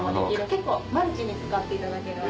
結構マルチに使っていただける。